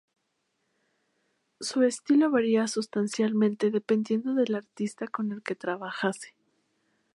Su estilo varía sustancialmente dependiendo del artista con el que trabajase.